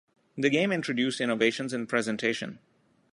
The game introduced innovations in presentation.